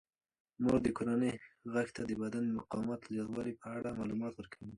مور د کورنۍ غړو ته د بدن د مقاومت زیاتولو په اړه معلومات ورکوي.